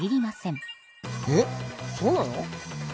えっそうなの？